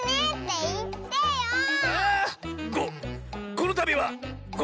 このたびはご！